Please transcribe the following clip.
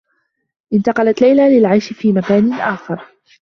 انتقلت ليلى للعيش في مكان آخر.